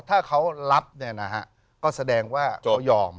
ถ้าเขารับก็แสดงว่ายอม